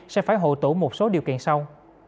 sẽ phải hộ tủ một số điều kiện sau